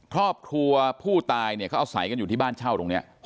ครอบครัวผู้ตายเนี่ยเขาอาศัยกันอยู่ที่บ้านเช่าตรงนี้